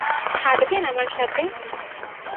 হাঁটবেন আমার সাথে?